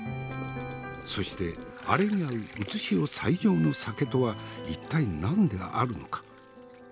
そしてアレに合う現世最上の酒とは一体何であるのか。